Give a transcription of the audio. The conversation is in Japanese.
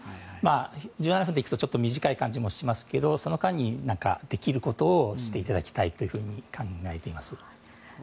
１７分と聞くと短い感じもしますけどその間に何か、できることをしていただきたいと考えています。